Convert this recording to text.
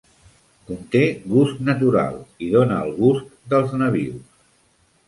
Conté "gust natural" i dóna el "gust" dels nabius.